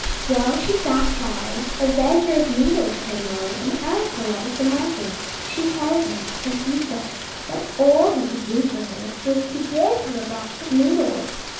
While she sat crying, a vender of needles came along and asked her what was the matter. She told him, and he said that all he could do for her was to give her a box of needles.